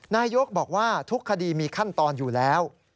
นายกบอกว่าทุกคดีมีขั้นตอนอยู่แล้ว